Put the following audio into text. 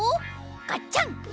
ガッチャン。